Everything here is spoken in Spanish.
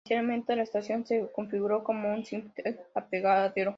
Inicialmente la estación se configuró como un simple apeadero.